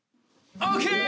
ＯＫ！